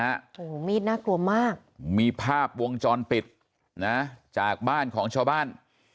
โอ้โหมีดน่ากลัวมากมีภาพวงจรปิดนะจากบ้านของชาวบ้าน